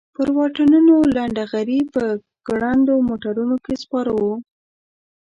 پر واټونو لنډه غري په ګړندیو موټرونو کې سپاره وو.